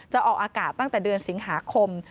ออกอากาศตั้งแต่เดือนสิงหาคม